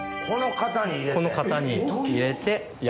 この型に入れて。